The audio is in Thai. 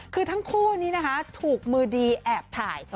คือทั้งคู่นี้นะคะถูกมือดีแอบถ่าย